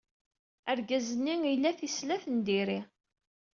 Argaz-nni ila tisellat n diri.